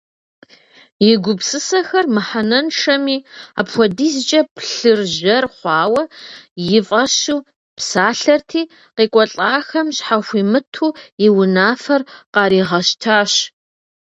И гупсысэхэр мыхьэнэншэми, апхуэдизкӀэ плъыржьэр хъуауэ, и фӀэщу псалъэрти, къекӀуэлӀахэм щхьэхуимыту и унафэр къаригъэщтащ.